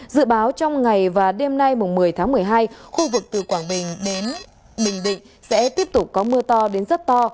dự báo trong ngày và đêm nay một mươi tháng một mươi hai khu vực từ quảng bình đến bình định sẽ tiếp tục có mưa to đến rất to